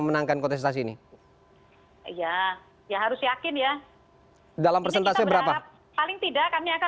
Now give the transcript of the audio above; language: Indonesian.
melakukan pelorong partisipasi publik